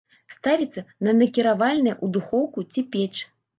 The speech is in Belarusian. Ставіцца на накіравальныя ў духоўку ці печ.